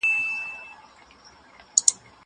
زه اجازه لرم چي سبزېجات وچوم!